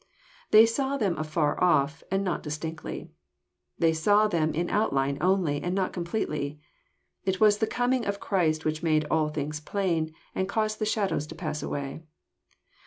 They saw them afar off, and not distinctly. They saw them in outline only, and not completely. It was the coming of Christ which made all things plain, and caused the shadows to pass away.